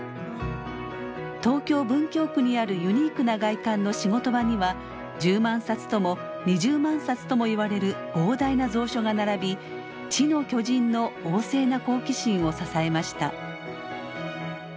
東京・文京区にあるユニークな外観の仕事場には１０万冊とも２０万冊ともいわれる膨大な蔵書が並び知の巨人の旺盛な好奇心を支えました。